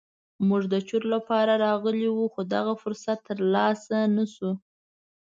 موږ د چور لپاره راغلي وو خو دغه فرصت تر لاسه نه شو.